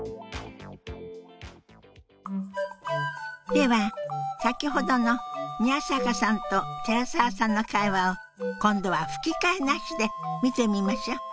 では先ほどの宮坂さんと寺澤さんの会話を今度は吹き替えなしで見てみましょう。